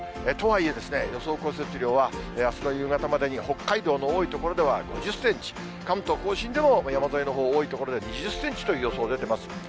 とはいえですね、予想降雪量は、あすの夕方までに北海道の多い所では５０センチ、関東甲信でも山沿いのほう、多い所で２０センチという予想出ています。